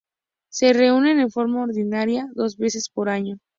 Se reúnen en forma ordinaria dos veces por año.